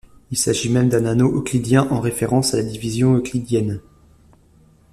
Il s'agit même d'un anneau euclidien, en référence à la division euclidienne.